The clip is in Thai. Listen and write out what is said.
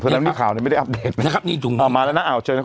เพราะฉะนั้นข่าวนี้ไม่ได้อัพเดทนะครับนี่ถูกอ๋อมาแล้วนะอ่าวเจอนะครับ